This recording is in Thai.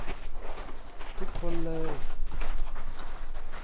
ทุกคนเลย~